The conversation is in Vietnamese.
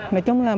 nói chung là mong